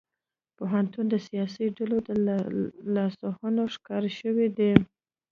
پوهنتونونه د سیاسي ډلو د لاسوهنې ښکار شوي دي